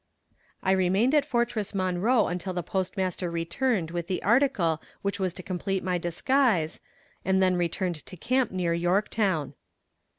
I remained at Fortress Monroe until the Postmaster returned with the article which was to complete my disguise, and then returned to camp near Yorktown.